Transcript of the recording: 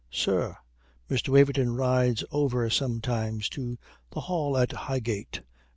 "Sir, Mr. Waverton rides over sometimes to the Hall at Highgate.